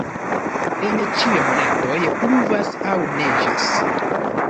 En ĉiuj monatoj pluvas aŭ neĝas.